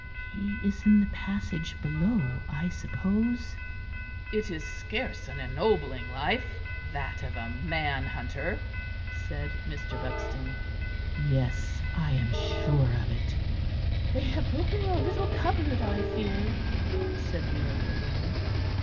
(He is in the passage below, I suppose.)" "It is scarce an ennobling life that of a manhunter," said Mr. Buxton. ("Yes. I am sure of it.") "They have broken your little cupboard, I fear." said Mary again.